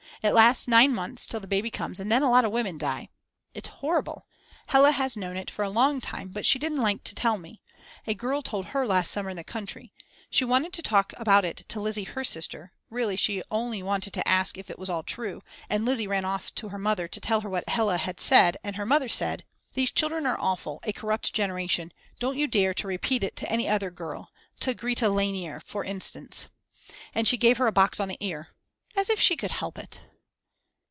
It lasts nine months till the baby comes and then a lot of women die. It's horrible. Hella has known it for a long time but she didn't like to tell me. A girl told her last summer in the country. She wanted to talk about it to Lizzi her sister, really she only wanted to ask if it was all true and Lizzi ran off to her mother to tell her what Hella had said And her mother said; "These children are awful, a corrupt generation, don't you dare to repeat it to any other girl, to Grete Lainer, for instance," and she gave her a box on the ear. As if she could help it!